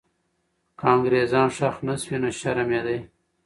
که انګریزان ښخ نه سوي، نو شرم یې دی.